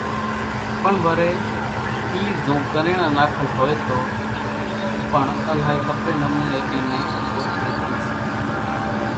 پڻ وريَ اِي زو ڳريڻان ناکل هوئيَ تو پڻ الائِي ۿڦريَ نمونيَ اين نين اورکِي ۿڳيئين سيئين۔